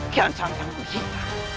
kian santang berhita